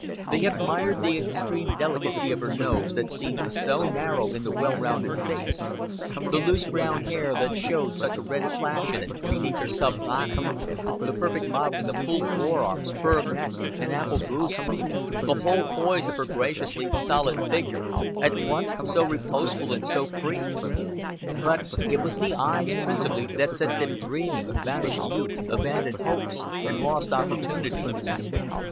They admired the extreme delicacy of her nose that seemed so narrow in the well rounded face, the loose brown hair that showed such a red flash in it beneath her sunbonnet, the perfect modeling of full forearms, firm neck, and ample bosom, the whole poise of her graciously solid figure, at once so reposeful and so free. But it was the eyes principally that set them dreaming of vanished youth, abandoned hopes, and lost opportunities.